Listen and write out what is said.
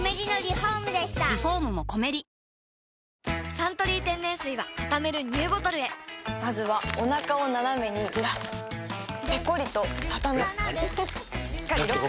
「サントリー天然水」はたためるＮＥＷボトルへまずはおなかをナナメにずらすペコリ！とたたむしっかりロック！